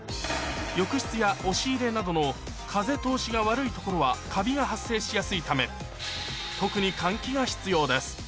浴室や押し入れなどの風通しが悪い所はカビが発生しやすいため特に換気が必要です